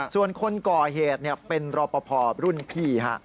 ส่วนคนก่อเหตุเป็นรอปภรุ่นพี่